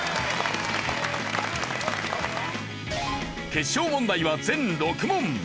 決勝問題は全６問。